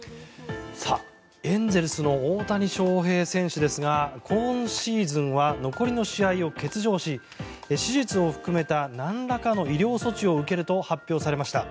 エンゼルスの大谷翔平選手ですが今シーズンは残りの試合を欠場し手術を含めたなんらかの医療措置を受けると発表されました。